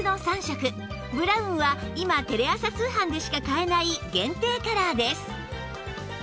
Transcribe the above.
ブラウンは今テレ朝通販でしか買えない限定カラーです